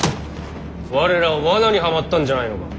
我らは罠にはまったんじゃないのか。